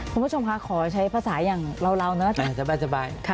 คุณผู้ชมคะขอใช้ภาษาอย่างเราเนอะสบาย